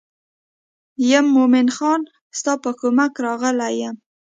یم مومن خان ستا په کومک راغلی یم.